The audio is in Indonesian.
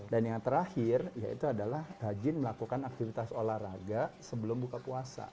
dan yang terakhir yaitu adalah hajin melakukan aktivitas olahraga sebelum buka puasa